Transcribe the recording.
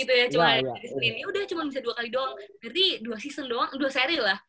cuma dari seminggu yaudah cuma bisa dua kali doang berarti dua season doang dua seri lah